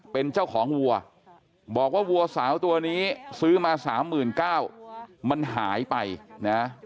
เป็นเจ้าของวัวบอกว่าวัวสาวตัวนี้ซื้อมา๓๙๐๐บาทมันหายไปนะ